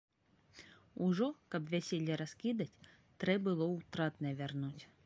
Ужо, каб вяселле раскідаць, трэ было ўтратнае вярнуць.